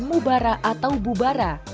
mubara atau bubara